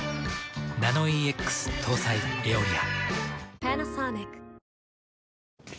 ナノイーＸ搭載「エオリア」。